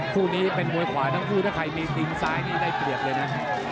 คู่นี้เป็นมวยขวาทั้งคู่ถ้าใครมีตีนซ้ายนี่ได้เปรียบเลยนะ